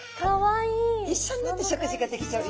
一緒になって食事ができちゃう。